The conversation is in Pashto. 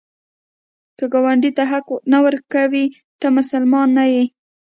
که ګاونډي ته حق نه ورکوې، ته مسلمان نه یې